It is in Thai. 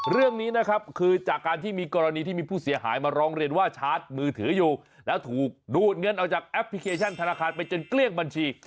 เรื่องนี้นะครับคือจากการที่มีกรณีที่มีผู้เสียหายมาร้องเรียนว่าชาร์จมือถืออยู่แล้วถูกดูดเงินออกจากแอปพลิเคชันธนาคารไปจนเกลี้ยงบัญชี